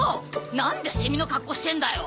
なんでセミの格好してんだよ？